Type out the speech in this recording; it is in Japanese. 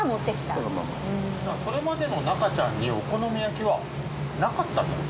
だからそれまでの『中ちゃん』に「お好み焼き」はなかったんだ？